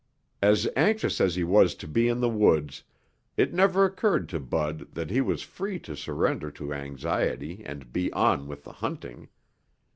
As anxious as he was to be in the woods, it never occurred to Bud that he was free to surrender to anxiety and be on with the hunting.